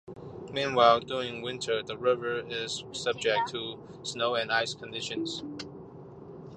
Meanwhile, during winter, the river is subject to snow and ice conditions.